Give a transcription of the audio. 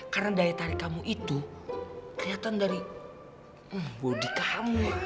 karena daya tarik kamu itu kelihatan dari body kamu